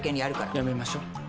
やめましょ。